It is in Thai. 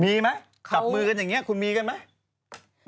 มีไหมจับมือกันอย่างนี้คุณมีกันไหม